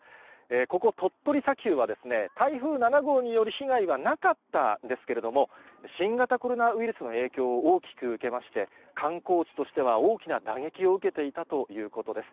ここ鳥取砂丘はですね、台風７号による被害はなかったんですけれども、新型コロナウイルスの影響を大きく受けまして、観光地としては大きな打撃を受けていたということです。